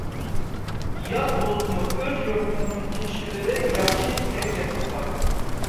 «يات بولسىمۇ ئۆز يۇرتۇڭنىڭ كىشىلىرى ياخشى» دېگەن گەپمۇ بار.